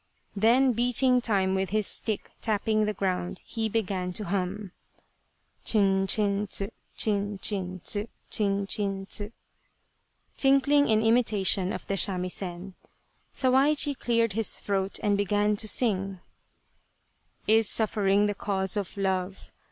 Then beating time with his stick tapping the ground, he began to hum :" Chin chin tsu : chin chin : tsu chin chin tsu," tinkling in imitation of the samisen. Sawaichi cleared his throat and began to sing : Is suffering the cause of love